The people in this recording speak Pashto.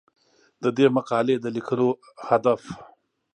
د دې مقالې د لیکلو هدف